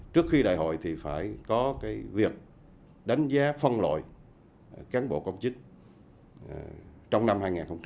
trước khi đại hội thì phải có cái việc đánh giá phân loại cán bộ công chức trong năm hai nghìn một mươi chín